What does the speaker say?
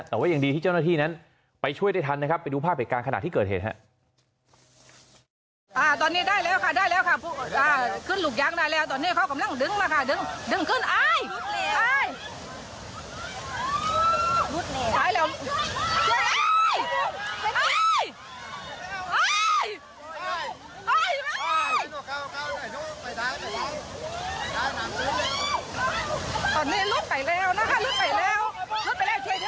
แต่ว่ายังดีที่เจ้าหน้าที่นั้นไปช่วยได้ทันนะครับไปดูภาพเหตุการณ์ขณะที่เกิดเหตุครับ